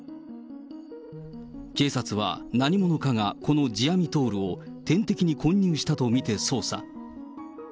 警察は何者かがこのヂアミトールを点滴に混入したと見て捜査。